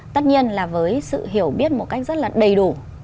tất nhiên là với sự hiểu biết một cách rất là đầy đủ